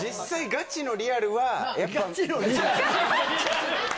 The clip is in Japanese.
ガチのリアル？